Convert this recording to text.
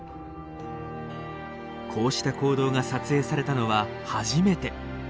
こうした行動が撮影されたのは初めて。